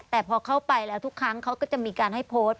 แต่พอเข้าไปแล้วทุกครั้งเขาก็จะมีการให้โพสต์